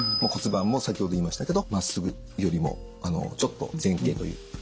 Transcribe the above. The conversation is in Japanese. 骨盤も先ほど言いましたけどまっすぐよりもちょっと前傾という。